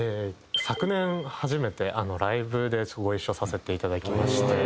昨年初めてライヴでご一緒させていただきまして。